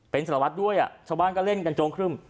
เป็นสารวัตรด้วยชาวบ้านก็เล่นกันโจงครึ่ม